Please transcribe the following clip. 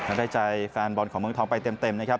และได้ใจแฟนบอลของเมืองทองไปเต็มนะครับ